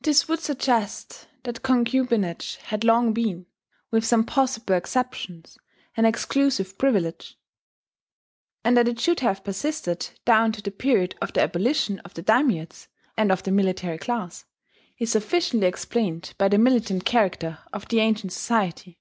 This would suggest that concubinage had long been (with some possible exceptions) an exclusive privilege; and that it should have persisted down to the period of the abolition of the daimiates and of the military class, is sufficiently explained by the militant character of the ancient society.